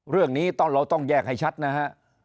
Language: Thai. เรื่องนี้เราต้องแยกให้ชัดนะฮะ